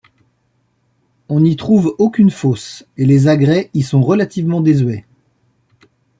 On n'y trouve aucune fosse et les agrès y sont relativement désuets.